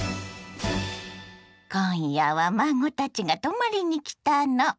今夜は孫たちが泊まりに来たの。